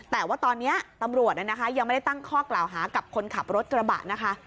แต่ว่าตอนนี้ตำรวจยังไม่ได้ตั้งข้อกล่าวหากับคนขับรถกระบะนะคะ